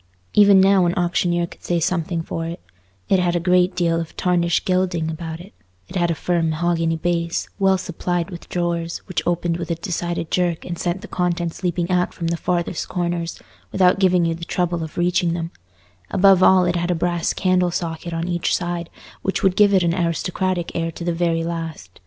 Even now an auctioneer could say something for it: it had a great deal of tarnished gilding about it; it had a firm mahogany base, well supplied with drawers, which opened with a decided jerk and sent the contents leaping out from the farthest corners, without giving you the trouble of reaching them; above all, it had a brass candle socket on each side, which would give it an aristocratic air to the very last.